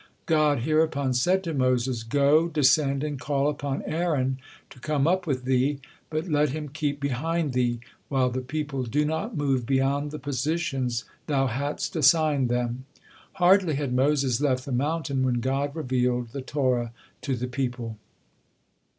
God hereupon said to Moses: "Go, descend and call upon Aaron to come up with thee, but let him keep behind thee, while the people do not move beyond the positions thou hadst assigned them." Hardly had Moses left the mountain, when God revealed the Torah to the people.